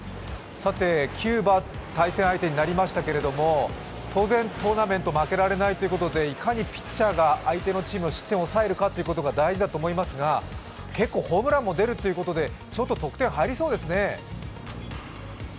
キューバ、対戦相手になりましたけれども、当然、トーナメント負けられないということでいかにピッチャーがチームの失点を抑えるかというのが大事だと思いますが、結構ホームランも出るということでちょっと得点入りそうですね。